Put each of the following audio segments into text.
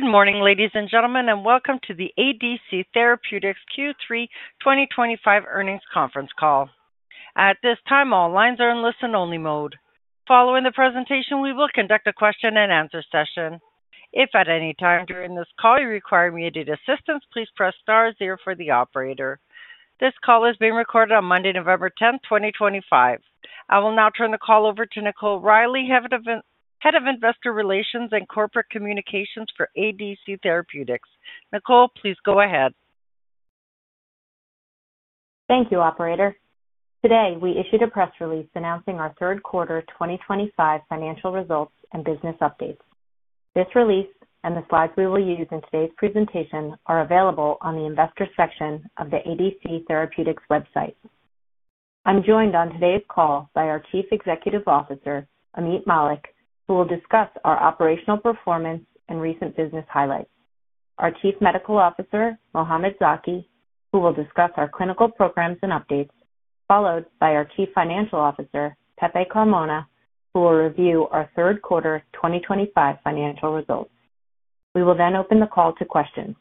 Good morning, ladies and gentlemen, and welcome to the ADC Therapeutics Q3 2025 earnings conference call. At this time, all lines are in listen-only mode. Following the presentation, we will conduct a question-and-answer session. If at any time during this call you require immediate assistance, please press star zero for the operator. This call is being recorded on Monday, November 10th, 2025. I will now turn the call over to Nicole Riley, Head of Investor Relations and Corporate Communications for ADC Therapeutics. Nicole, please go ahead. Thank you, Operator. Today, we issued a press release announcing our third quarter 2025 financial results and business updates. This release and the slides we will use in today's presentation are available on the Investor section of the ADC Therapeutics website. I'm joined on today's call by our Chief Executive Officer, Ameet Mallik, who will discuss our operational performance and recent business highlights. Our Chief Medical Officer, Mohamed Zaki, who will discuss our clinical programs and updates, followed by our Chief Financial Officer, Pepe Carmona, who will review our third quarter 2025 financial results. We will then open the call to questions.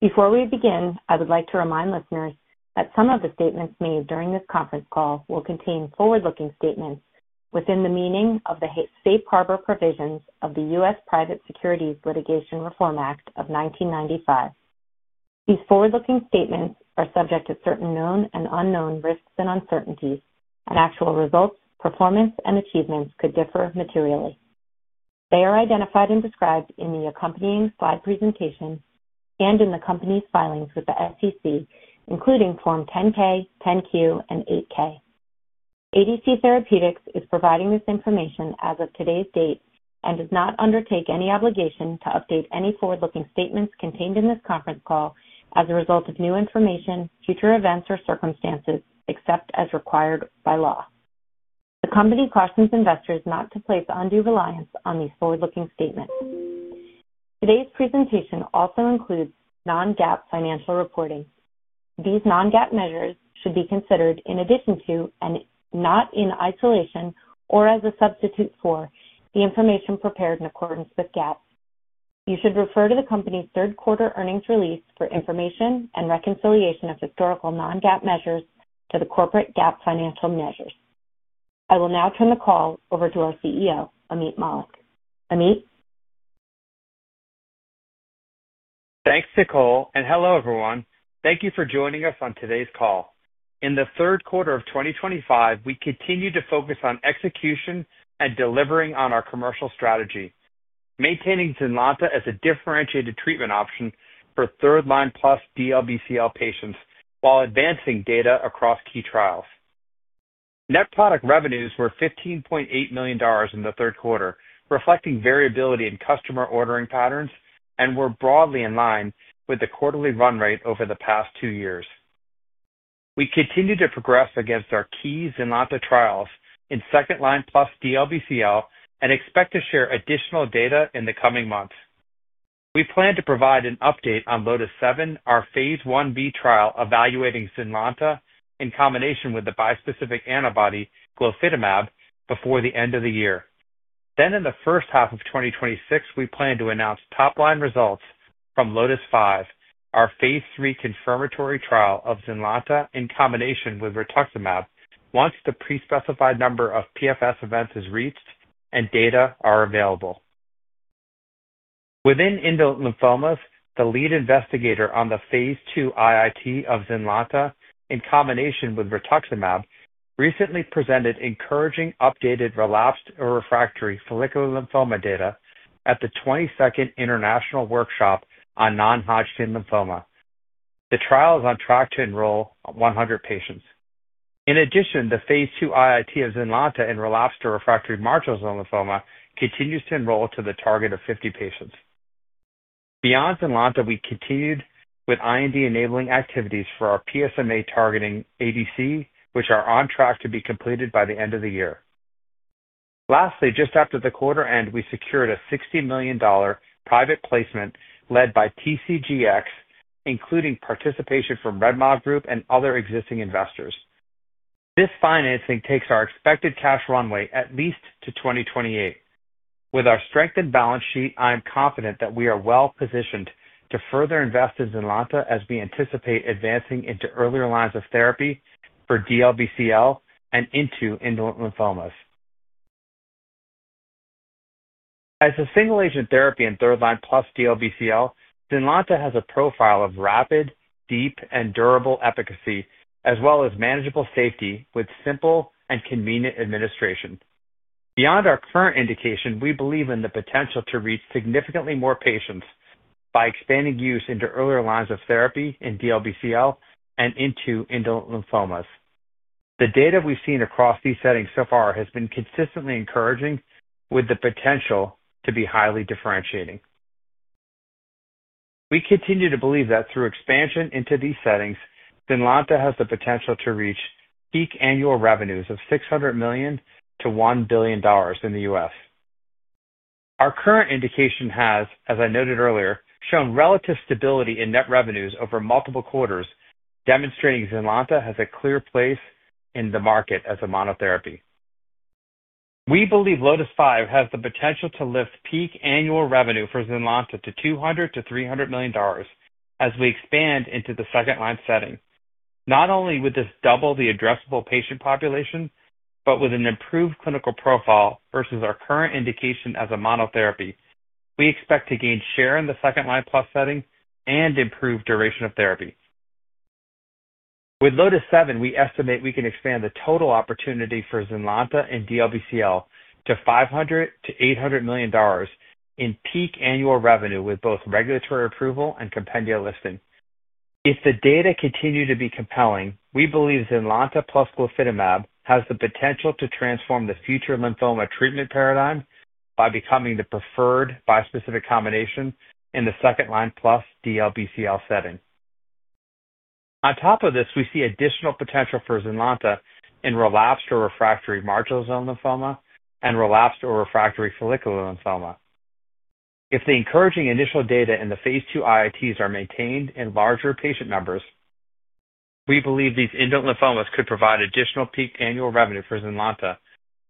Before we begin, I would like to remind listeners that some of the statements made during this conference call will contain forward-looking statements within the meaning of the Safe Harbor Provisions of the U.S. Private Securities Litigation Reform Act of 1995. These forward-looking statements are subject to certain known and unknown risks and uncertainties, and actual results, performance, and achievements could differ materially. They are identified and described in the accompanying slide presentation and in the company's filings with the SEC, including Form 10-K, 10-Q, and 8-K. ADC Therapeutics is providing this information as of today's date and does not undertake any obligation to update any forward-looking statements contained in this conference call as a result of new information, future events, or circumstances, except as required by law. The company cautions investors not to place undue reliance on these forward-looking statements. Today's presentation also includes non-GAAP financial reporting. These non-GAAP measures should be considered in addition to, and not in isolation or as a substitute for, the information prepared in accordance with GAAP. You should refer to the company's third quarter earnings release for information and reconciliation of historical non-GAAP measures to the corporate GAAP financial measures. I will now turn the call over to our CEO, Ameet Mallik. Ameet. Thanks, Nicole, and hello, everyone. Thank you for joining us on today's call. In the third quarter of 2025, we continue to focus on execution and delivering on our commercial strategy, maintaining ZYNLONTA as a differentiated treatment option for third-line plus DLBCL patients while advancing data across key trials. Net product revenues were $15.8 million in the third quarter, reflecting variability in customer ordering patterns and were broadly in line with the quarterly run rate over the past two years. We continue to progress against our key ZYNLONTA trials in second-line plus DLBCL and expect to share additional data in the coming months. We plan to provide an update on LOTIS-7, our phase I-B trial evaluating ZYNLONTA in combination with the bispecific antibody glofitamab before the end of the year. In the first half of 2026, we plan to announce top-line results from LOTIS-5, our phase III confirmatory trial of ZYNLONTA in combination with rituximab once the pre-specified number of PFS events is reached and data are available. Within indolent lymphomas, the lead investigator on the phase II IIT of ZYNLONTA in combination with rituximab recently presented encouraging updated relapsed or refractory follicular lymphoma data at the 22nd International Workshop on Non-Hodgkin lymphoma. The trial is on track to enroll 100 patients. In addition, the phase II IIT of ZYNLONTA in relapsed or refractory marginal zone lymphoma continues to enroll to the target of 50 patients. Beyond ZYNLONTA, we continued with IND-enabling activities for our PSMA-targeting ADC, which are on track to be completed by the end of the year. Lastly, just after the quarter end, we secured a $60 million private placement led by TCGX, including participation from Redmile Group and other existing investors. This financing takes our expected cash runway at least to 2028. With our strengthened balance sheet, I am confident that we are well positioned to further invest in ZYNLONTA as we anticipate advancing into earlier lines of therapy for DLBCL and into indolent lymphomas. As a single-agent therapy in third-line plus DLBCL, ZYNLONTA has a profile of rapid, deep, and durable efficacy, as well as manageable safety with simple and convenient administration. Beyond our current indication, we believe in the potential to reach significantly more patients by expanding use into earlier lines of therapy in DLBCL and into indolent lymphomas. The data we've seen across these settings so far has been consistently encouraging, with the potential to be highly differentiating. We continue to believe that through expansion into these settings, ZYNLONTA has the potential to reach peak annual revenues of $600 million-$1 billion in the U.S. Our current indication has, as I noted earlier, shown relative stability in net revenues over multiple quarters, demonstrating ZYNLONTA has a clear place in the market as a monotherapy. We believe LOTIS-5 has the potential to lift peak annual revenue for ZYNLONTA to $200-$300 million as we expand into the second-line setting. Not only would this double the addressable patient population, but with an improved clinical profile versus our current indication as a monotherapy, we expect to gain share in the second-line plus setting and improve duration of therapy. With LOTIS-7, we estimate we can expand the total opportunity for ZYNLONTA in DLBCL to $500-$800 million in peak annual revenue with both regulatory approval and compendia listing. If the data continue to be compelling, we believe ZYNLONTA plus glofitamab has the potential to transform the future lymphoma treatment paradigm by becoming the preferred bispecific combination in the second-line plus DLBCL setting. On top of this, we see additional potential for ZYNLONTA in relapsed or refractory marginal zone lymphoma and relapsed or refractory follicular lymphoma. If the encouraging initial data in the phase II IITs are maintained in larger patient numbers, we believe these indolent lymphomas could provide additional peak annual revenue for ZYNLONTA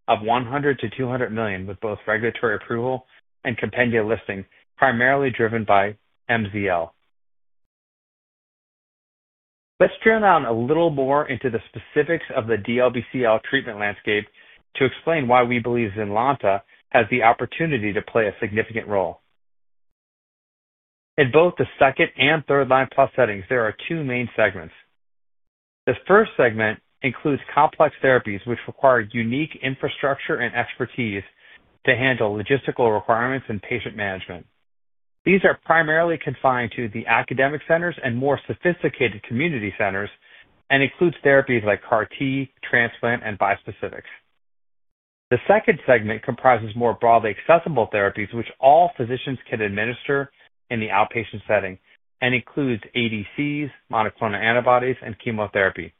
of $100-$200 million with both regulatory approval and compendia listing, primarily driven by MZL. Let's drill down a little more into the specifics of the DLBCL treatment landscape to explain why we believe ZYNLONTA has the opportunity to play a significant role. In both the second and third-line plus settings, there are two main segments. The first segment includes complex therapies which require unique infrastructure and expertise to handle logistical requirements and patient management. These are primarily confined to the academic centers and more sophisticated community centers and include therapies CAR-T, transplant, and bispecifics. The second segment comprises more broadly accessible therapies which all physicians can administer in the outpatient setting and includes ADCs, monoclonal antibodies, and chemotherapy.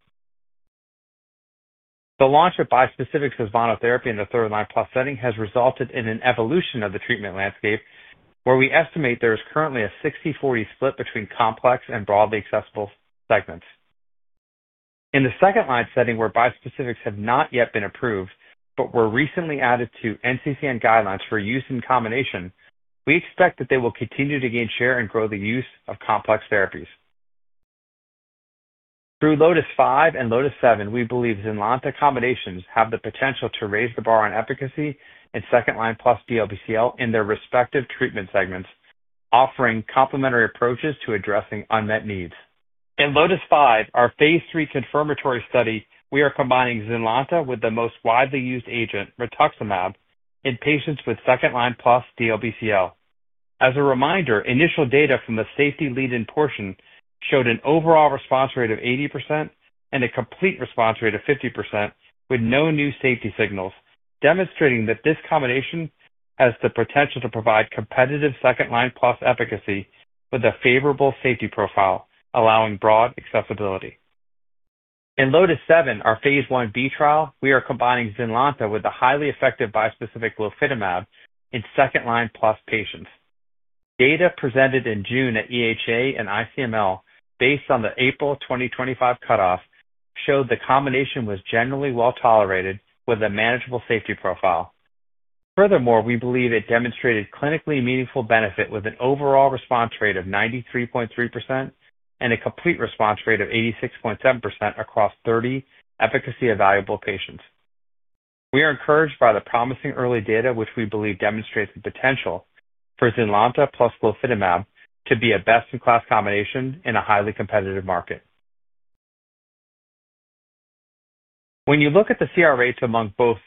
The launch of bispecifics as monotherapy in the third-line plus setting has resulted in an evolution of the treatment landscape where we estimate there is currently a 60/40 split between complex and broadly accessible segments. In the second-line setting where bispecifics have not yet been approved but were recently added to NCCN guidelines for use in combination, we expect that they will continue to gain share and grow the use of complex therapies. Through LOTIS-5 and LOTIS-7, we believe ZYNLONTA combinations have the potential to raise the bar on efficacy in second-line plus DLBCL in their respective treatment segments, offering complementary approaches to addressing unmet needs. In LOTIS-5, our phase III confirmatory study, we are combining ZYNLONTA with the most widely used agent, rituximab, in patients with second-line plus DLBCL. As a reminder, initial data from the safety lead-in portion showed an overall response rate of 80% and a complete response rate of 50% with no new safety siG&Als, demonstrating that this combination has the potential to provide competitive second-line plus efficacy with a favorable safety profile, allowing broad accessibility. In LOTIS-7, our phase I-B trial, we are combining ZYNLONTA with the highly effective bispecific glofitamab in second-line plus patients. Data presented in June at EHA and ICML based on the April 2025 cutoff showed the combination was generally well tolerated with a manageable safety profile. Furthermore, we believe it demonstrated clinically meaningful benefit with an overall response rate of 93.3% and a complete response rate of 86.7% across 30 efficacy-evaluable patients. We are encouraged by the promising early data, which we believe demonstrates the potential for ZYNLONTA plus glofitamab to be a best-in-class combination in a highly competitive market. When you look at the CR rates among both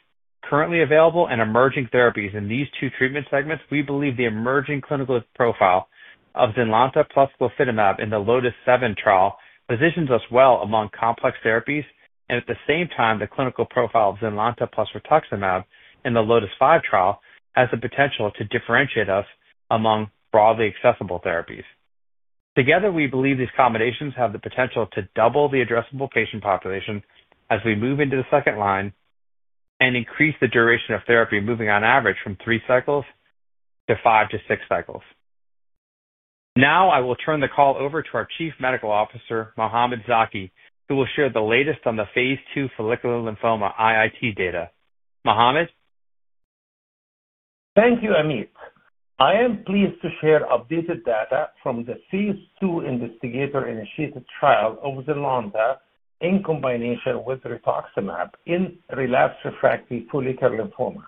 currently available and emerging therapies in these two treatment segments, we believe the emerging clinical profile of ZYNLONTA plus glofitamab in the LOTIS-7 trial positions us well among complex therapies, and at the same time, the clinical profile of ZYNLONTA plus rituximab in the LOTIS-5 trial has the potential to differentiate us among broadly accessible therapies. Together, we believe these combinations have the potential to double the addressable patient population as we move into the second line and increase the duration of therapy, moving on average from three cycles to five- to six cycles. Now, I will turn the call over to our Chief Medical Officer, Mohamed Zaki, who will share the latest on the phase II follicular lymphoma IIT data. Mohamed? Thank you, Ameet. I am pleased to share updated data from the phase II investigator-initiated trial of ZYNLONTA in combination with rituximab in relapsed refractory follicular lymphoma.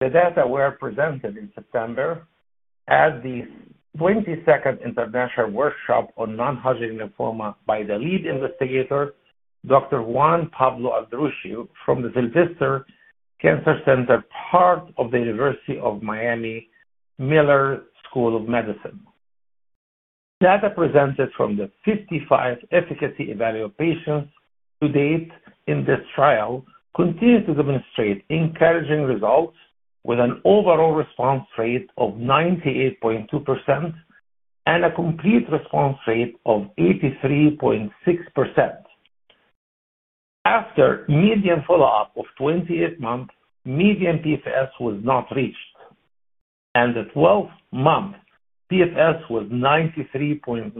The data were presented in September at the 22nd International Workshop on Non-Hodgkin lymphoma by the lead investigator, Dr. Juan Pablo Andujar from the Sylvester Comprehensive Cancer Center, part of the University of Miami Miller School of Medicine. The data presented from the 55 efficacy-evaluated patients to date in this trial continue to demonstrate encouraging results with an overall response rate of 98.2% and a complete response rate of 83.6%. After median follow-up of 28 months, median PFS was not reached, and the 12-month PFS was 93.9%.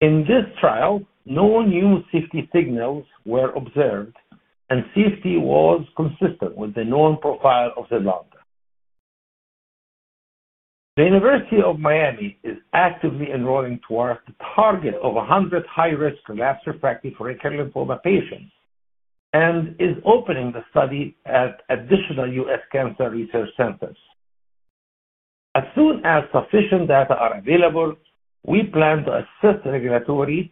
In this trial, no new safety siG&Als were observed, and safety was consistent with the known profile of ZYNLONTA. The University of Miami is actively enrolling toward the target of 100 high-risk relapsed refractory follicular lymphoma patients and is opening the study at additional U.S. cancer research centers. As soon as sufficient data are available, we plan to assist regulatory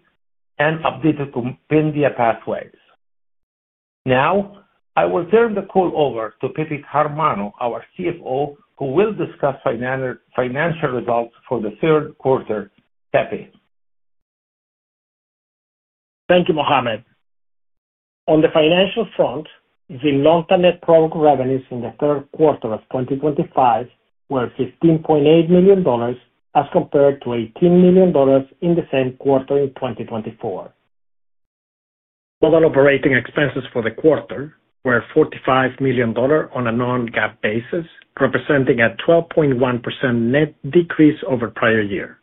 and update the compendia pathways. Now, I will turn the call over to Pepe Carmona, our CFO, who will discuss financial results for the third quarter. Thank you, Mohamed. On the financial front, ZYNLONTA net product revenues in the third quarter of 2025 were $15.8 million as compared to $18 million in the same quarter in 2024. Total operating expenses for the quarter were $45 million on a non-GAAP basis, representing a 12.1% net decrease over the prior year.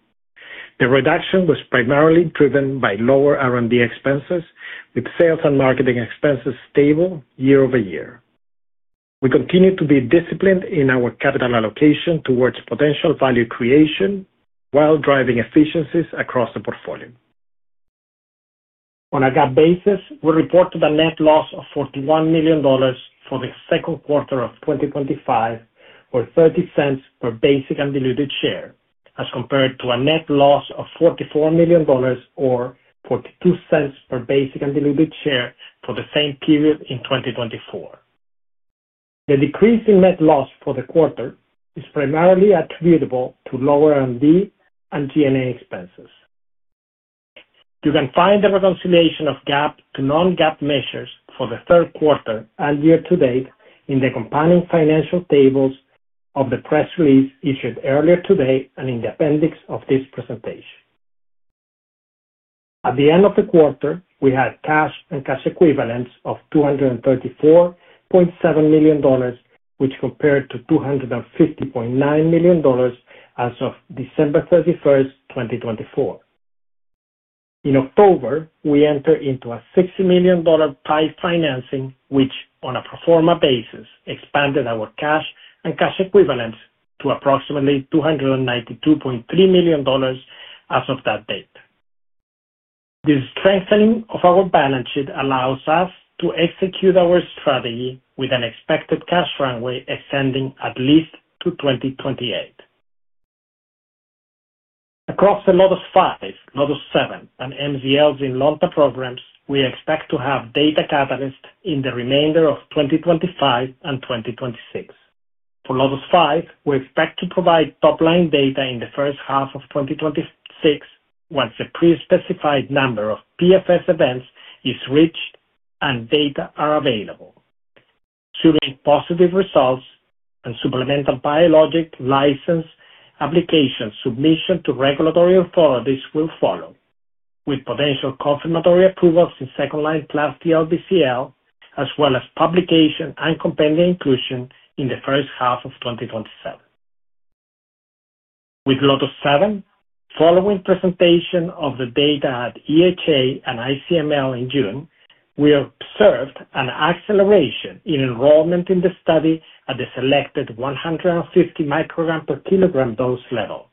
The reduction was primarily driven by lower R&D expenses, with sales and marketing expenses stable year over year. We continue to be disciplined in our capital allocation towards potential value creation while driving efficiencies across the portfolio. On a GAAP basis, we reported a net loss of $41 million for the second quarter of 2025, or $0.30 per basic and diluted share, as compared to a net loss of $44 million or $0.42 per basic and diluted share for the same period in 2024. The decrease in net loss for the quarter is primarily attributable to lower R&D and G&A expenses. You can find the reconciliation of GAAP to non-GAAP measures for the third quarter and year-to-date in the compounding financial tables of the press release issued earlier today and in the appendix of this presentation. At the end of the quarter, we had cash and cash equivalents of $234.7 million, which compared to $250.9 million as of December 31, 2024. In October, we entered into a $60 million tight financing, which, on a pro forma basis, expanded our cash and cash equivalents to approximately $292.3 million as of that date. This strengthening of our balance sheet allows us to execute our strategy with an expected cash runway extending at least to 2028. Across the LOTIS-5, LOTIS-7, and MZL's ZYNLONTA programs, we expect to have data catalysts in the remainder of 2025 and 2026. For LOTIS-5, we expect to provide top-line data in the first half of 2026 once the pre-specified number of PFS events is reached and data are available. Subject to positive results, a supplemental biologics license application submission to regulatory authorities will follow, with potential confirmatory approvals in second-line plus DLBCL, as well as publication and compendia inclusion in the first half of 2027. With LOTIS-7, following presentation of the data at EHA and ICML in June, we observed an acceleration in enrollment in the study at the selected 150 micrograms per kilogram dose level.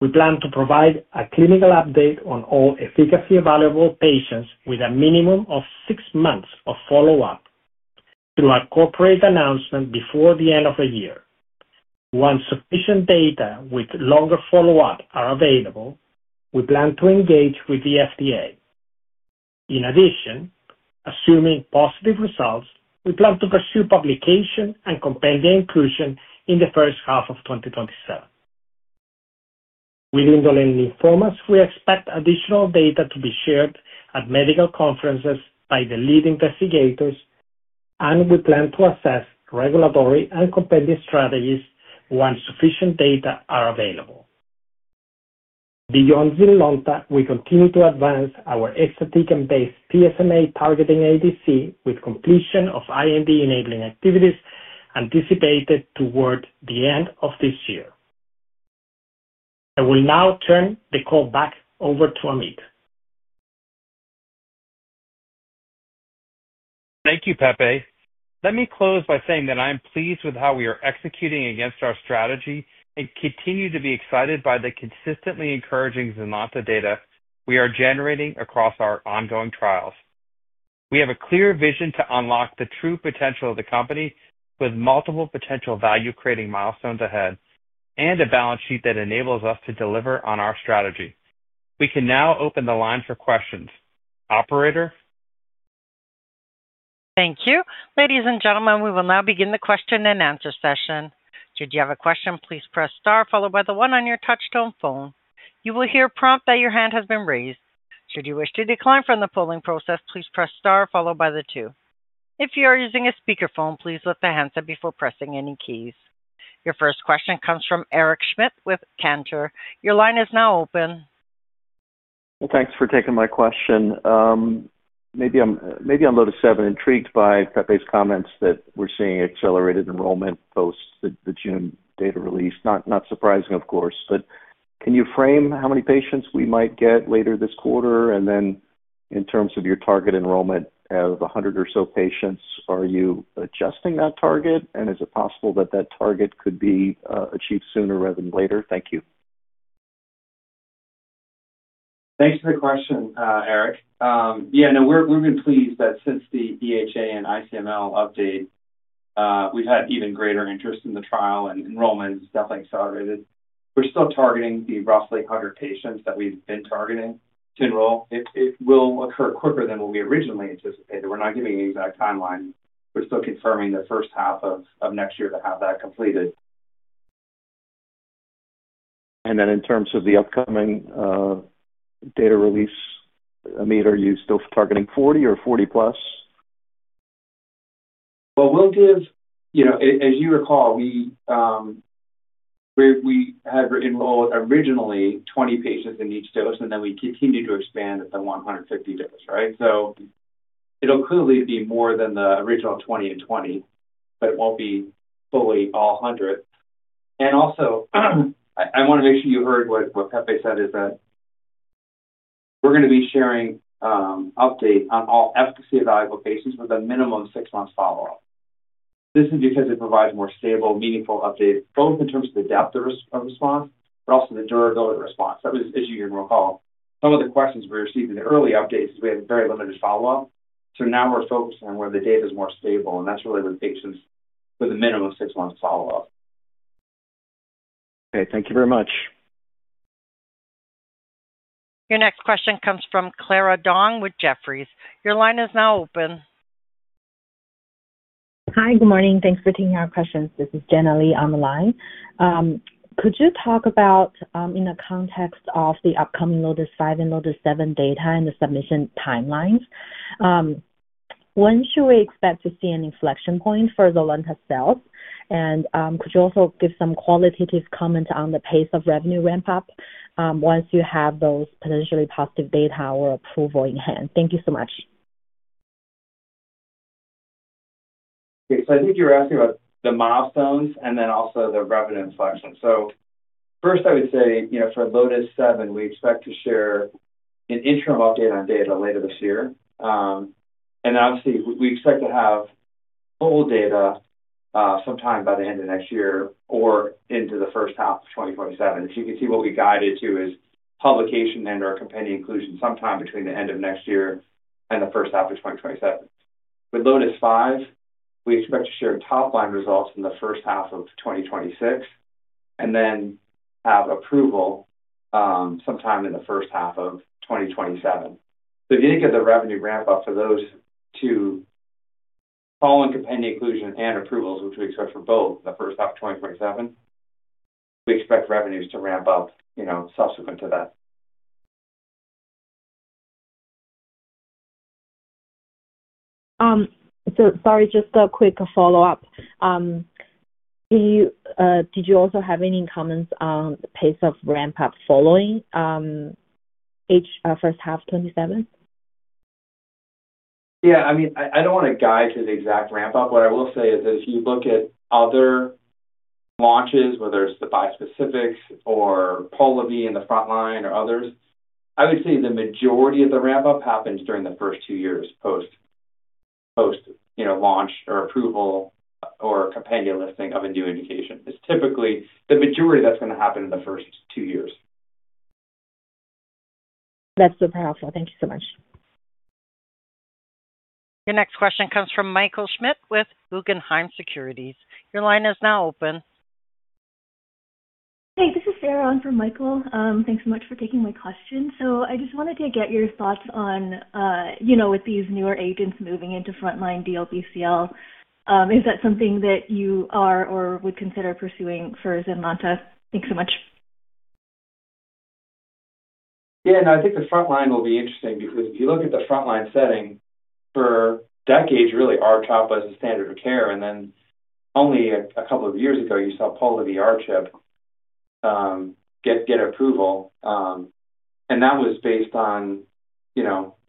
We plan to provide a clinical update on all efficacy-evaluable patients with a minimum of six months of follow-up through a corporate announcement before the end of the year. Once sufficient data with longer follow-up are available, we plan to engage with the FDA. In addition, assuming positive results, we plan to pursue publication and compendia inclusion in the first half of 2027. With indolent lymphomas, we expect additional data to be shared at medical conferences by the lead investigators, and we plan to assess regulatory and compendia strategies once sufficient data are available. Beyond ZYNLONTA, we continue to advance our exatecan-based PSMA targeting ADC with completion of IND-enabling activities anticipated toward the end of this year. I will now turn the call back over to Ameet. Thank you, Pepe. Let me close by saying that I am pleased with how we are executing against our strategy and continue to be excited by the consistently encouraging ZYNLONTA data we are generating across our ongoing trials. We have a clear vision to unlock the true potential of the company with multiple potential value-creating milestones ahead and a balance sheet that enables us to deliver on our strategy. We can now open the line for questions. Operator? Thank you. Ladies and gentlemen, we will now begin the question-and-answer session. Should you have a question, please press star followed by the one on your touch-tone phone. You will hear a prompt that your hand has been raised. Should you wish to decline from the polling process, please press star followed by the two. If you are using a speakerphone, please lift the handset before pressing any keys. Your first question comes from Eric Schmidt with Cantor. Your line is now open. Thanks for taking my question. Maybe I'm a little bit intrigued by Pepe's comments that we're seeing accelerated enrollment post the June data release. Not surprising, of course. Can you frame how many patients we might get later this quarter? In terms of your target enrollment of 100 or so patients, are you adjusting that target? Is it possible that that target could be achieved sooner rather than later? Thank you. Thanks for the question, Eric. Yeah, no, we've been pleased that since the EHA and ICML update, we've had even greater interest in the trial and enrollment and stuff like accelerated. We're still targeting the roughly 100 patients that we've been targeting to enroll. It will occur quicker than what we originally anticipated. We're not giving an exact timeline. We're still confirming the first half of next year to have that completed. In terms of the upcoming data release, Ameet, are you still targeting 40 or 40+? As you recall, we had enrolled originally 20 patients in each dose, and then we continued to expand at the 150 dose, right? It will clearly be more than the original 20/20, but it will not be fully all 100. Also, I want to make sure you heard what Pepe said, that we are going to be sharing an update on all efficacy-evaluable patients with a minimum of six months' follow-up. This is because it provides more stable, meaningful updates, both in terms of the depth of response but also the durability of response. That was an issue you can recall. Some of the questions we received in the early updates were that we had very limited follow-up. Now we are focusing on where the data is more stable, and that is really with patients with a minimum of six months' follow-up. Okay. Thank you very much. Your next question comes from Clara Dong with Jefferies. Your line is now open. Hi, good morning. Thanks for taking our questions. This is Jenna Lee on the line. Could you talk about, in the context of the upcoming LOTIS-5 and LOTIS-7 data and the submission timelines, when should we expect to see an inflection point for ZYNLONTA sales? Could you also give some qualitative comments on the pace of revenue ramp-up once you have those potentially positive data or approval in hand? Thank you so much. Okay. I think you were asking about the milestones and then also the revenue inflection. First, I would say for LOTIS-7, we expect to share an interim update on data later this year. Obviously, we expect to have full data sometime by the end of next year or into the first half of 2027. As you can see, what we guided to is publication and/or compendia inclusion sometime between the end of next year and the first half of 2027. With LOTIS-5, we expect to share top-line results in the first half of 2026 and then have approval sometime in the first half of 2027. If you think of the revenue ramp-up for those two following compendia inclusion and approvals, which we expect for both the first half of 2027, we expect revenues to ramp up subsequent to that. Sorry, just a quick follow-up. Did you also have any comments on the pace of ramp-up following each first half of 2027? Yeah. I mean, I don't want to guide to the exact ramp-up. What I will say is that if you look at other launches, whether it's the bispecifics or Polivy in the front line or others, I would say the majority of the ramp-up happens during the first two years post-launch or approval or compendia listing of a new indication. It's typically the majority that's going to happen in the first two years. That's super helpful. Thank you so much. Your next question comes from Michael Schmidt with Guggenheim Securities. Your line is now open. Hey, this is Sarah on for Michael. Thanks so much for taking my question. I just wanted to get your thoughts on, with these newer agents moving into front-line DLBCL, is that something that you are or would consider pursuing for ZYNLONTA? Thanks so much. Yeah. No, I think the front line will be interesting because if you look at the front-line setting for decades, really, R-CHOP was the standard of care. And then only a couple of years ago, you saw Polivy R-CHOP get approval. That was based on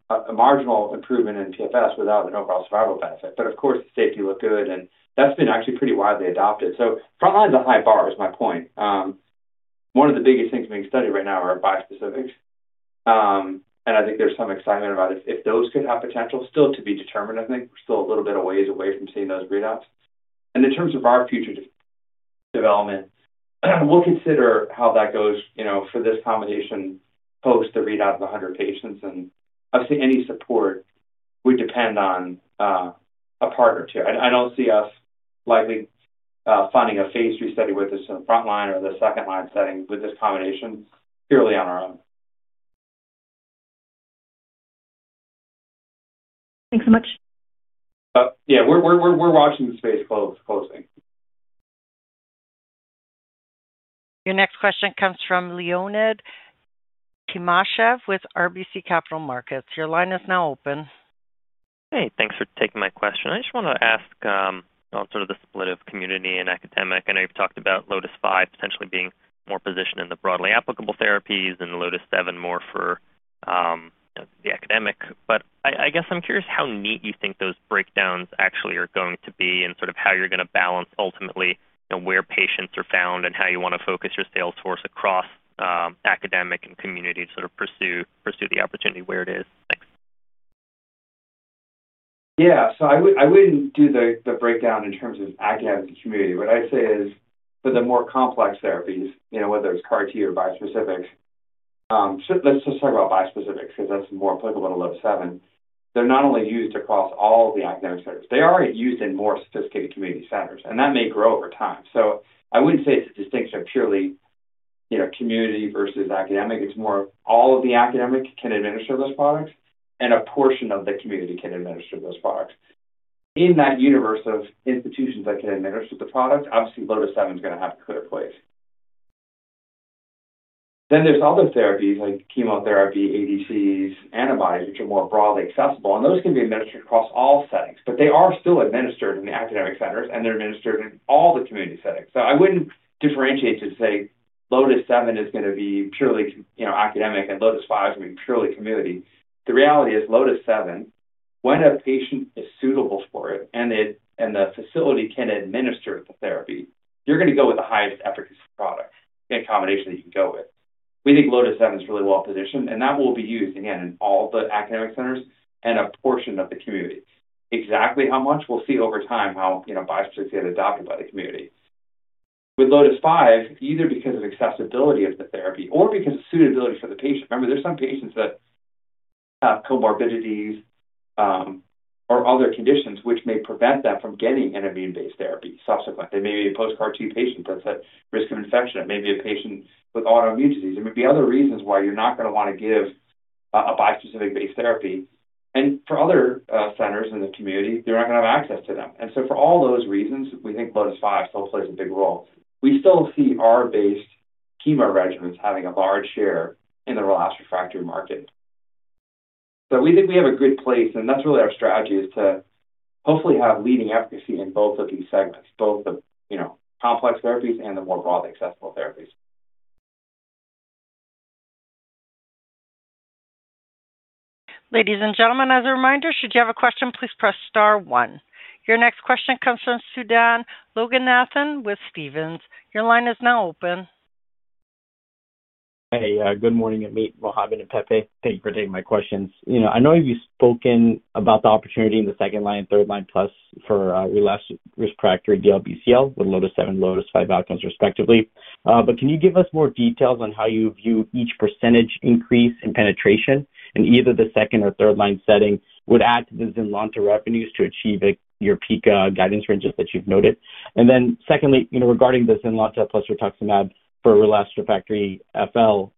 a marginal improvement in PFS without an overall survival benefit. Of course, the safety looked good, and that's been actually pretty widely adopted. Front line's a high bar is my point. One of the biggest things being studied right now are bispecifics. I think there's some excitement about if those could have potential, still to be determined. I think we're still a little bit a ways away from seeing those readouts. In terms of our future development, we'll consider how that goes for this combination post the readout of 100 patients. Obviously, any support would depend on a partner too. I do not see us likely funding a phase III study with this in the front line or the second line setting with this combination purely on our own. Thanks so much. Yeah. We're watching the space closely. Your next question comes from Leonid Timashev with RBC Capital Markets. Your line is now open. Hey, thanks for taking my question. I just want to ask on sort of the split of community and academic. I know you've talked about LOTIS-5 potentially being more positioned in the broadly applicable therapies and LOTIS-7 more for the academic. I guess I'm curious how neat you think those breakdowns actually are going to be and sort of how you're going to balance ultimately where patients are found and how you want to focus your sales force across academic and community to sort of pursue the opportunity where it is. Thanks. Yeah. I would not do the breakdown in terms of academic and community. What I would say is for the more complex therapies, whether it CAR-T or bispecifics—let us just talk about bispecifics because that is more applicable to LOTIS-7—they are not only used across all the academic centers. They are used in more sophisticated community centers, and that may grow over time. I would not say it is a distinction of purely community versus academic. It is more all of the academic can administer those products, and a portion of the community can administer those products. In that universe of institutions that can administer the product, obviously, LOTIS-7 is going to have a clear place. There are other therapies like chemotherapy, ADCs, antibodies, which are more broadly accessible. Those can be administered across all settings, but they are still administered in the academic centers, and they are administered in all the community settings. I would not differentiate to say LOTIS-7 is going to be purely academic and LOTIS-5 is going to be purely community. The reality is LOTIS-7, when a patient is suitable for it and the facility can administer the therapy, you are going to go with the highest efficacy product and combination that you can go with. We think LOTIS-7 is really well positioned, and that will be used, again, in all the academic centers and a portion of the community. Exactly how much? We will see over time how bispecifics get adopted by the community. With LOTIS-5, either because of accessibility of the therapy or because of suitability for the patient. Remember, there are some patients that have comorbidities or other conditions which may prevent them from getting an immune-based therapy subsequent. They may be post-CAR-T patient that is at risk of infection. It may be a patient with autoimmune disease. There may be other reasons why you're not going to want to give a bispecific-based therapy. For other centers in the community, they're not going to have access to them. For all those reasons, we think LOTIS-5 still plays a big role. We still see R-based chemo regimens having a large share in the relapsed refractory market. We think we have a good place, and that's really our strategy is to hopefully have leading efficacy in both of these segments, both the complex therapies and the more broadly accessible therapies. Ladies and gentlemen, as a reminder, should you have a question, please press star one. Your next question comes from Sudan Loganathan with Stephens. Your line is now open. Hey, good morning. Ameet Mallik and Pepe, thank you for taking my questions. I know you've spoken about the opportunity in the second line and third line plus for relapsed refractory DLBCL with LOTIS-7 and LOTIS-5 outcomes respectively. Can you give us more details on how you view each percentage increase in penetration in either the second or third line setting would add to the ZYNLONTA revenues to achieve your PICA guidance ranges that you've noted? Secondly, regarding the ZYNLONTA plus rituximab for relapsed refractory FL,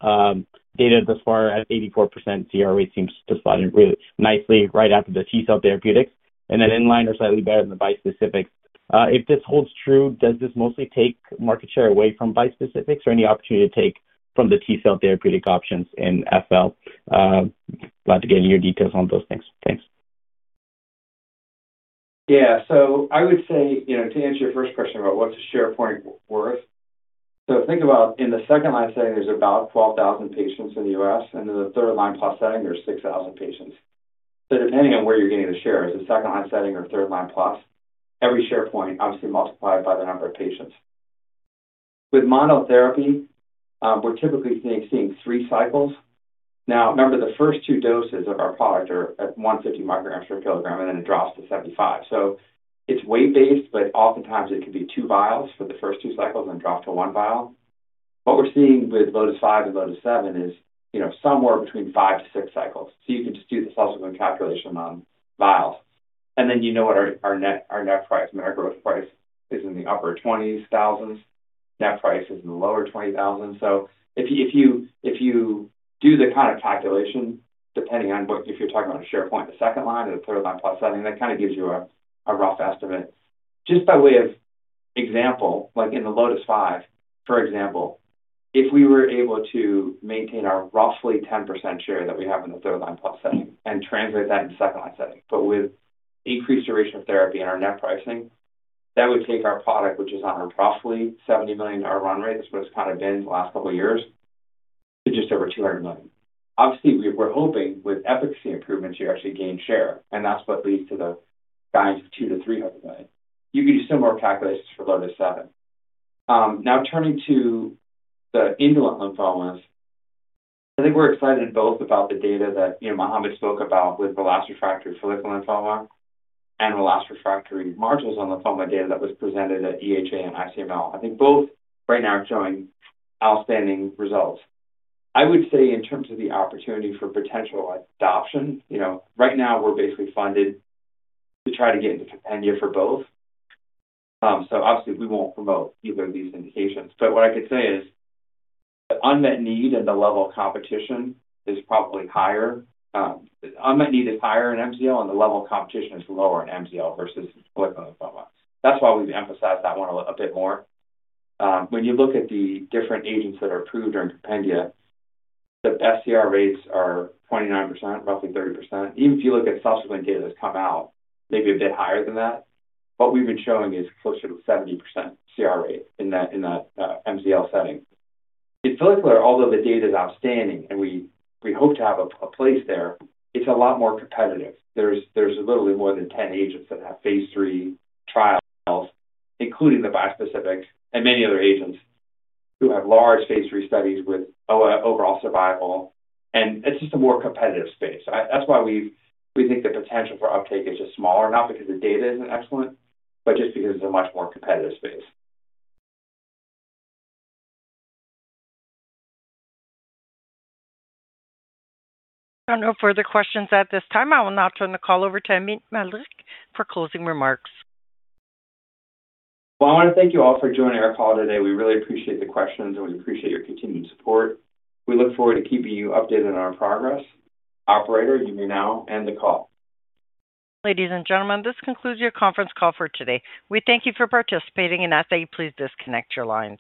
data thus far at 84% CR rate seems to slide in really nicely right after the T-cell therapeutics. In-line are slightly better than the bispecifics. If this holds true, does this mostly take market share away from bispecifics or any opportunity to take from the T-cell therapeutic options in FL? Glad to get your details on those things. Thanks. Yeah. So I would say to answer your first question about what's a share point worth, think about in the second line setting, there's about 12,000 patients in the US. In the third line plus setting, there's 6,000 patients. Depending on where you're getting the share, it's a second line setting or third line plus. Every share point, obviously, multiplied by the number of patients. With monotherapy, we're typically seeing three cycles. Now, remember, the first two doses of our product are at 150 micrograms per kilogram, and then it drops to 75. It's weight-based, but oftentimes it can be two vials for the first two cycles and drop to one vial. What we're seeing with LOTIS-5 and LOTIS-7 is somewhere between five to six cycles. You can just do the subsequent calculation on vials. You know what our net price, our gross price is in the upper $20,000s. Net price is in the lower $20,000s. If you do the kind of calculation, depending on if you're talking about a share point, the second line or the third line plus setting, that kind of gives you a rough estimate. Just by way of example, like in the LOTIS-5, for example, if we were able to maintain our roughly 10% share that we have in the third line plus setting and translate that into second line setting, but with increased duration of therapy and our net pricing, that would take our product, which is on a roughly $70 million run rate, that's what it's kind of been the last couple of years, to just over $200 million. Obviously, we're hoping with efficacy improvements, you actually gain share, and that's what leads to the guidance of $200 million-$300 million. You can do similar calculations for LOTIS-7. Now, turning to the indolent lymphomas, I think we're excited both about the data that Mohamed spoke about with relapsed refractory follicular lymphoma and relapsed refractory marginal zone lymphoma data that was presented at EHA and ICML. I think both right now are showing outstanding results. I would say in terms of the opportunity for potential adoption, right now we're basically funded to try to get into compendia for both. Obviously, we won't promote either of these indications. What I could say is the unmet need and the level of competition is probably higher. Unmet need is higher in MZL, and the level of competition is lower in MZL versus follicular lymphoma. That's why we've emphasized that one a bit more. When you look at the different agents that are approved during compendia, the FCR rates are 29%, roughly 30%. Even if you look at subsequent data that's come out, maybe a bit higher than that. What we've been showing is closer to 70% CR rate in the MCL setting. In follicular, although the data is outstanding and we hope to have a place there, it's a lot more competitive. There's literally more than 10 agents that have phase III trials, including the bispecifics and many other agents who have large phase III studies with overall survival. It's just a more competitive space. That's why we think the potential for uptake is just smaller, not because the data isn't excellent, but just because it's a much more competitive space. There are no further questions at this time. I will now turn the call over to Ameet Mallik for closing remarks. I want to thank you all for joining our call today. We really appreciate the questions, and we appreciate your continued support. We look forward to keeping you updated on our progress. Operator, you may now end the call. Ladies and gentlemen, this concludes your conference call for today. We thank you for participating, and after you, please disconnect your lines.